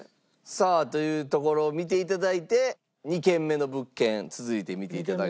さあというところを見て頂いて２軒目の物件続いて見て頂きたいと思います。